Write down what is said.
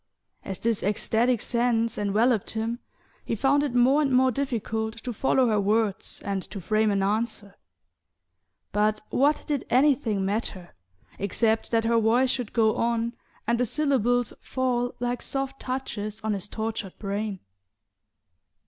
As this ecstatic sense enveloped him he found it more and more difficult to follow her words and to frame an answer; but what did anything matter, except that her voice should go on, and the syllables fall like soft touches on his tortured brain?